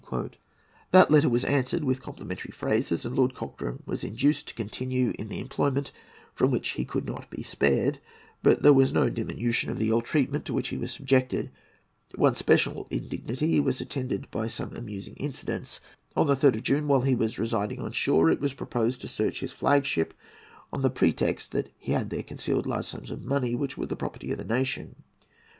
"[A] [Footnote A: See Appendix (III).] That letter was answered with complimentary phrases, and Lord Cochrane was induced to continue in the employment from which he could not be spared; but there was no diminution of the ill treatment to which he was subjected. One special indignity was attended by some amusing incidents. On the 3rd of June, while he was residing on shore, it was proposed to search his flag ship, on the pretext that he had there concealed large sums of money which were the property of the nation.